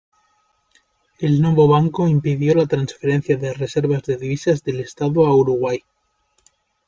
El Novo Banco impidió la transferencia de reservas de divisas del estado a Uruguay.